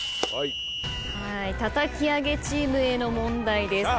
叩き上げチームへの問題です。